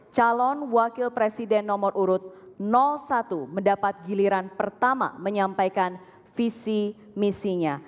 calon wakil presiden nomor urut satu mendapat giliran pertama menyampaikan visi misinya